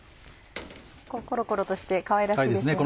コロコロとしてかわいらしいですよね。